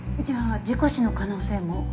じゃあ事故死の可能性も？